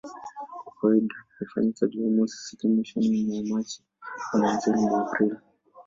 Kwa kawaida hufanyika Jumamosi usiku mwishoni mwa Machi au mwanzoni mwa Aprili.